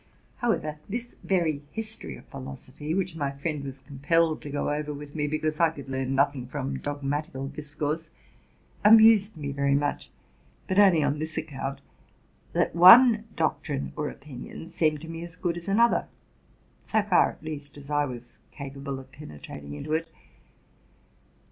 However, this very history of philosophy, which my friend was compelled to go over with me, because I could learn nothing from dogmatical discourse, amused me very much, bat only on this account, that one doctrine or opinion seemed to me as good as another, so far, at least, as I was capable of penetrating into it.